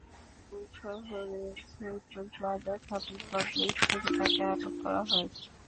সৈয়দপুর শহরের Saidpur plaza shopping complex থেকে তাঁকে আটক করা হয়।